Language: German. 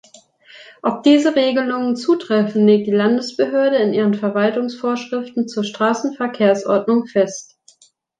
Ob diese Regelungen zutreffen, legt die Landesbehörde in ihren Verwaltungsvorschriften zur Straßenverkehrsordnung fest.